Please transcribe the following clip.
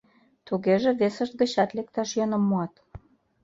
Тугеже весышт гычат лекташ йӧным муат».